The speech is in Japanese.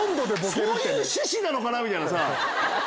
そういう趣旨なのかな？みたいな。